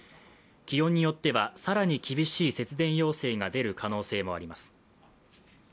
気温によっては更に厳しい節電要請が出る可能性もあります。